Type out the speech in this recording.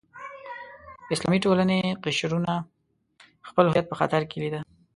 اسلامي ټولنې قشرونو خپل هویت په خطر کې لیده.